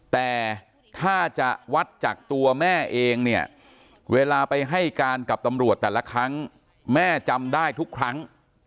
แต่ถ้าจะวัดจากตัวแม่เองเนี่ยเวลาไปให้การกับตำรวจแต่ละครั้งแม่จำได้ทุกครั้ง